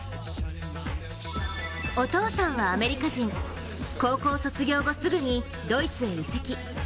お父さんはアメリカ人、高校卒業後すぐにドイツに移籍。